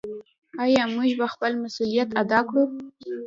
آیا موږ به خپل مسوولیت ادا کړو؟